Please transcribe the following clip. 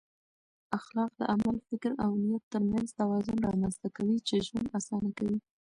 اخلاق د عمل، فکر او نیت ترمنځ توازن رامنځته کوي چې ژوند اسانه کوي.